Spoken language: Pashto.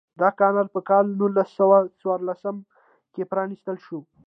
دا کانال په کال نولس سوه څوارلسم کې پرانیستل شو.